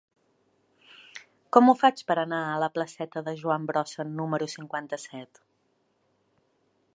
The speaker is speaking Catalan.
Com ho faig per anar a la placeta de Joan Brossa número cinquanta-set?